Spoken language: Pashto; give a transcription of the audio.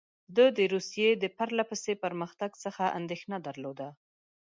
ده د روسیې د پرله پسې پرمختګ څخه اندېښنه درلوده.